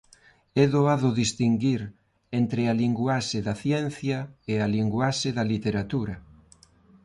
É doado distinguir entre a linguaxe da ciencia e a linguaxe da literatura.